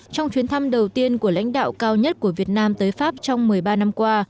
trong chuyến thăm đầu tiên của lãnh đạo cao nhất của việt nam tới pháp trong một mươi ba năm qua